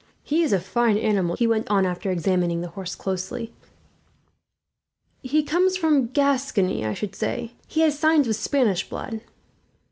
"He is a fine animal, too," he went on, after examining the horse closely. "He comes from Gascony, I should say. He has signs of Spanish blood."